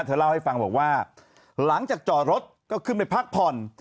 เธอเล่าให้ฟังบอกว่าหลังจากจอดรถก็ขึ้นไปพักผ่อน